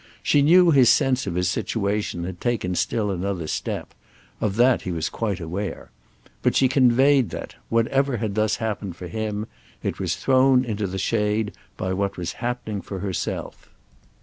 She knew his sense of his situation had taken still another step—of that he was quite aware; but she conveyed that, whatever had thus happened for him, it was thrown into the shade by what was happening for herself.